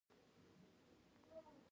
کوربون د خاورې شه